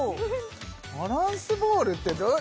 バランスボールってどう？